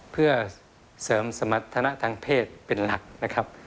เพื่อเสริมสมรรถนะทางเพศเป็นหลักนะครับ